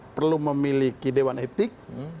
perlu memiliki dewan etik